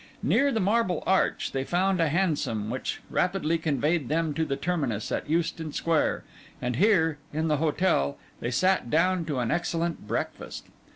Near the Marble Arch they found a hansom, which rapidly conveyed them to the terminus at Euston Square; and here, in the hotel, they sat down to an excellent breakfast.